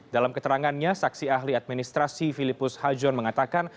dalam keterangannya saksi ahli administrasi filipus hajon mengatakan